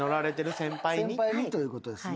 先輩にということですね。